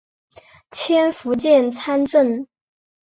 迁福建参政。